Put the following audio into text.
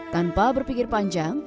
tanpa berpikir panjang